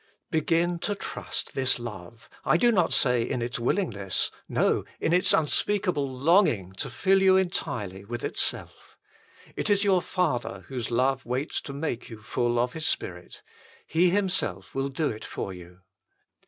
Begin to trust this love. I do not say in its willing ness : no in its unspeakable longing to fill you entirely with itself. It is your Father, whose love waits to make you full of His Spirit. He Himself will do it for you.